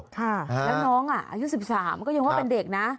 ค่ะแล้วน้องอายุ๑๓ก็ยังว่าเป็นเด็กนะ